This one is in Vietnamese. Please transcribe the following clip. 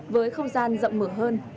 với không gian rộng mở hơn